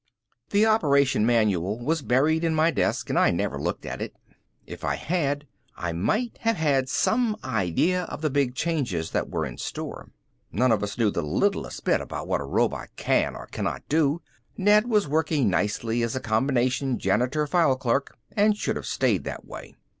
The operation manual was buried in my desk and I never looked at it. If I had, I might have had some idea of the big changes that were in store. None of us knew the littlest bit about what a robot can or cannot do. Ned was working nicely as a combination janitor file clerk and should have stayed that way.